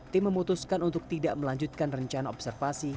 tim memutuskan untuk tidak melanjutkan rencana observasi